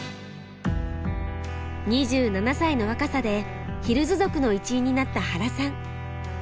２７歳の若さでヒルズ族の一員になった原さん。